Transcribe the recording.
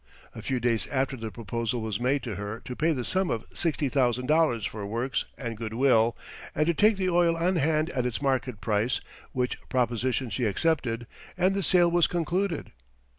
A few days after the proposal was made to her to pay the sum of $60,000 for works and good will, and to take the oil on hand at its market price, which proposition she accepted, and the sale was concluded.